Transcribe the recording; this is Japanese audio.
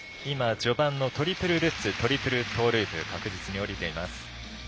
序盤のトリプルルッツトリプルトーループ確実に降りています。